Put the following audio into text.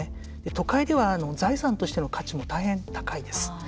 都会では、財産としての価値も大変高いです。